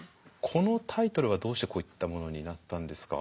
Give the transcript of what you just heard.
このタイトルはどうしてこういったものになったんですか？